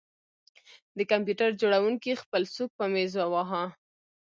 د کمپیوټر جوړونکي خپل سوک په میز وواهه